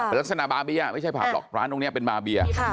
เป็นลักษณะบาเบียไม่ใช่ผับหรอกร้านตรงนี้เป็นบาเบีย